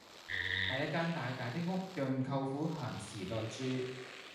買一間大大的屋讓舅父閒時來住